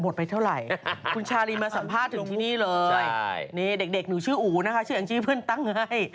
ไปเท่าไหร่คุณชาลีมาสัมภาษณ์ถึงที่นี่เลยนี่เด็กหนูชื่ออู๋นะคะชื่อแองจี้เพื่อนตั้งให้